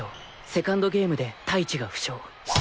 セカンドゲームで太一が負傷。